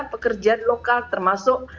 pemerintah lokal termasuk